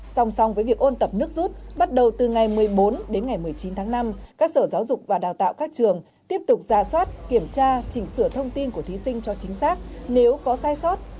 song song với việc ôn tập nước rút bắt đầu từ ngày một mươi bốn đến ngày một mươi chín tháng năm các sở giáo dục và đào tạo các trường tiếp tục ra soát kiểm tra chỉnh sửa thông tin của thí sinh cho chính xác nếu có sai sót